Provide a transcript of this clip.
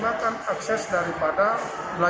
usaha yang lebih dan jadi dekade karena